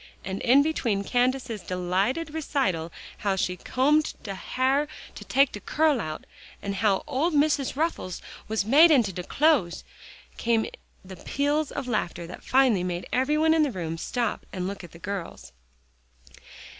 And in between Candace's delighted recital how she combed "de ha'r to take de curl out," and how "ole Missus' ruffles was made into de clothes," came the peals of laughter that finally made every one in the room stop and look at the girls.